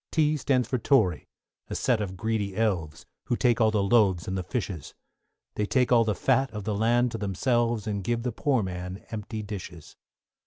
=T= stands for Tory, a set of greedy elves, Who take all the loaves and the fishes; They take all the fat of the land to themselves, And give the poor man empty dishes.